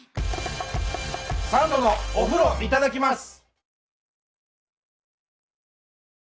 「サンドのお風呂いただきます」。